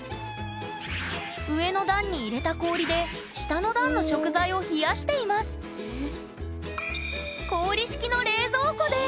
上の段に入れた氷で下の段の食材を冷やしていますあっ。